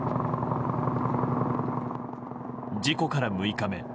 事故から６日目。